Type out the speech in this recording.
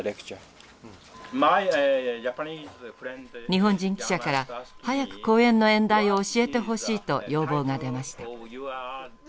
日本人記者から早く講演の演題を教えてほしいと要望が出ました。